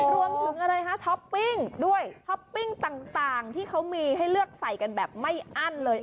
รวมถึงอะไรฮะท็อปปิ้งด้วยท็อปปิ้งต่างที่เขามีให้เลือกใส่กันแบบไม่อั้นเลย